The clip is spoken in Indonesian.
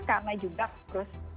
karena juga terus